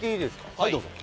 はいどうぞ。